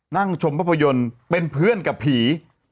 นั่งชมภาพยนตร์เป็นเพื่อนกับผี